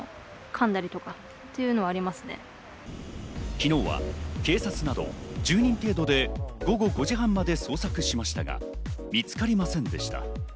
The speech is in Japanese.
昨日は警察など１０人程度で午後５時半まで捜索しましたが、見つかりませんでした。